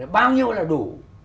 bao nhiêu là đủ